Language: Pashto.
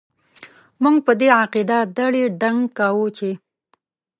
موږ په دې عقيده دړي دنګ کاوو چې ...